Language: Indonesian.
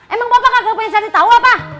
emang bapak kagak punya cari tau apa